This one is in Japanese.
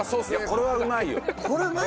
これうまいよね。